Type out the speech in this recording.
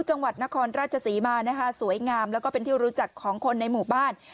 จังหวัดนครราชศรีมานะคะสวยงามแล้วก็เป็นที่รู้จักของคนในหมู่บ้าน